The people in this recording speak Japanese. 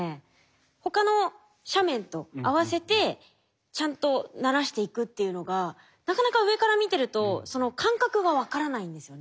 他の斜面と合わせてちゃんとならしていくっていうのがなかなか上から見てるとその感覚が分からないんですよね。